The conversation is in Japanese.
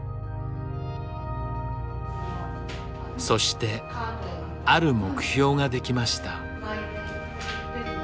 そしてある目標ができました。